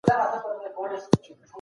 د بیان ازادي د انسان مسلم حق دی.